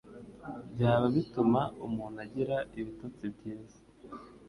byaba bituma umuntu agira ibitotsi byiza